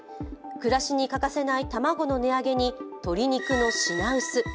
暮らしに欠かせない卵の値上げに鶏肉の品薄。